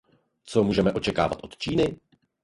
Co můžeme očekávat od Číny?